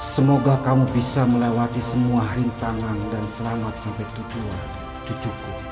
semoga kamu bisa melewati semua rintangan dan selamat sampai tujuan cucuku